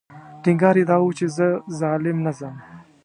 ټینګار یې دا و چې زه ظالم نه ځم.